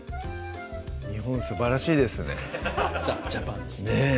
日本すばらしいですねザジャパンですねねぇ